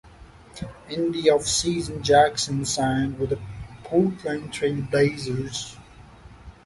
In the offseason, Jackson signed with the Portland Trail Blazers.